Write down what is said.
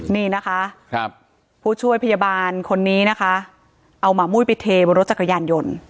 นี่นะคะผู้ช่วยพยาบาลคนนี้นะคะเอาหมามุ้ยไปเทบนรถจักรยานยนต์